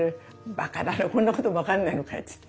「バカだなこんなことも分かんないのかい」っつって。